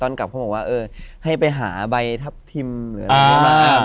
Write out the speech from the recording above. กลับเขาบอกว่าเออให้ไปหาใบทับทิมหรืออะไรอย่างนี้บ้าง